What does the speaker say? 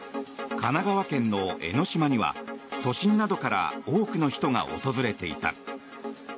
神奈川県の江の島には都心などから多くの人が訪れていた。